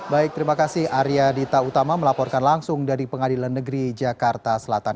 baik terima kasih arya dita utama melaporkan langsung dari pengadilan negeri jakarta selatan